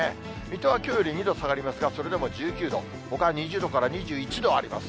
水戸はきょうより２度下がりますが、それでも１９度、ほかは２０度から２１度あります。